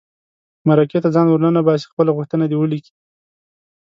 مرکې ته ځان ور ننباسي خپله غوښتنه دې ولیکي.